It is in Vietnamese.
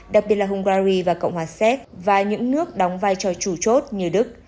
đặc biệt là hungary và cộng hòa séc và những nước đóng vai trò chủ chốt như đức